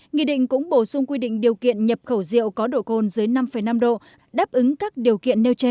nghị định cũng bổ sung quy định điều kiện nhập khẩu rượu có độ cồn dưới năm năm độ đáp ứng các điều kiện nêu trên